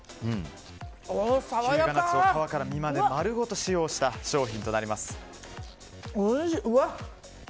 日向夏を皮から実まで丸ごと使用した商品となります。